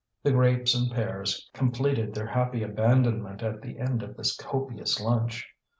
The grapes and pears completed their happy abandonment at the end of this copious lunch.